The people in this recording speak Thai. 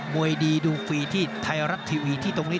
วยดีดูฟรีที่ไทยรัฐทีวีที่ตรงนี้